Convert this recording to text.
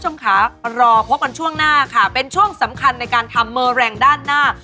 คุณผู้ชมค่ะรอพบกันช่วงหน้าค่ะเป็นช่วงสำคัญในการทำเมอร์แรงด้านหน้า